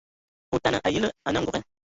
Otana a yǝlǝ anǝ angoge,